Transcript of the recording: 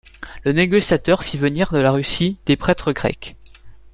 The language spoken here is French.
Le négociateur fit venir de la Russie des prêtres grecs.